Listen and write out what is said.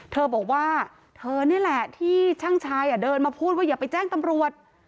เธอบอกว่าเธอนี่แหละที่ช่างชายเดินมาพูดว่าอย่าไปแจ้งตำรวจ